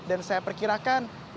dan saya perkirakan